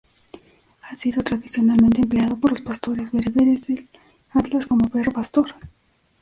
Ha sido tradicionalmente empleado por los pastores bereberes del Atlas como perro pastor.